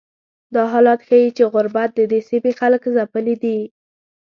دا حالت ښیي چې غربت ددې سیمې خلک ځپلي دي.